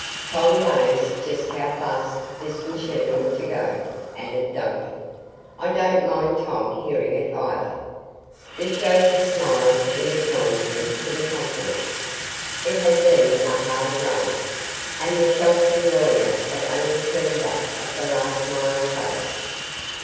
"Tom knows just how fast this machine ought to go," added Duncan. "I don't mind Tom hearing it, either." The chauffeur smiled in acknowledgment to the compliment. It had been a hard run, and the Chelton lawyer had only turned back at the last mile post.